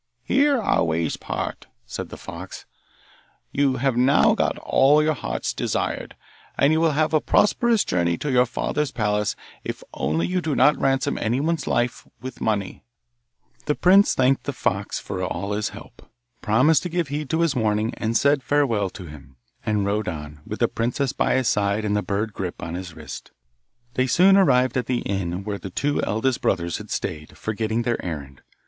'Here our ways part,' said the fox. 'You have now got all that your heart desired, and you will have a prosperous journey to your father's palace if only you do not ransom anyone's life with money.' The prince thanked the fox for all his help, promised to give heed to his warning, said farewell to him, and rode on, with the princess by his side and the bird Grip on his wrist. They soon arrived at the inn where the two eldest brothers had stayed, forgetting their errand.